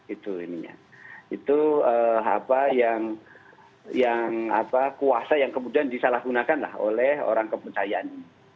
itu yang apa yang kuasa yang kemudian disalahgunakan lah oleh orang kepercayaan